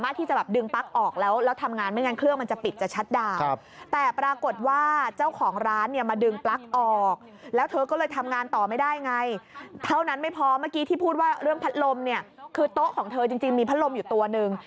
ที่พูดว่าเรื่องพัดลมคือโต๊ะของเธอจริงมีพัดลมอยู่ตัวหนึ่ง